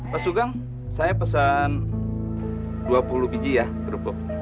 pak sugeng saya pesan dua puluh biji ya kerupuk